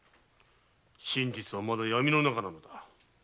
真実はまだ闇の中なのだ。